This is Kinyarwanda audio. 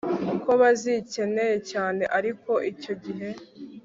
ko bazikeneye cyane ariko icyo gihe